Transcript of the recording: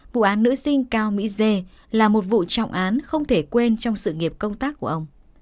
vụ án nữ sinh cao mỹ dê là một vụ trọng án không thể quên trong sự nghiệp công tác của ông